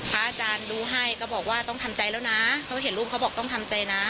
อาจารย์ดูให้ก็บอกว่าต้องทำใจแล้วนะเพราะเห็นรูปเขาบอกต้องทำใจนะ